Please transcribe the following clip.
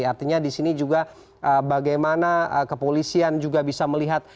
jadi artinya di sini juga bagaimana kepolisian juga bisa melihat